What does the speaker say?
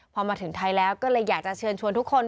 พอมาถึงไทยแล้วก็เลยอยากจะเชิญชวนทุกคน